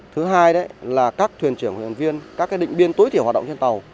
thứ hai là các thuyền trưởng thuyền viên các định biên tối thiểu hoạt động trên tàu